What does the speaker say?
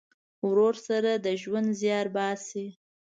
ورور سره د ژوند زیار باسې.